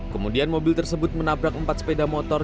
kemudian mobil tersebut menabrak empat sepeda motor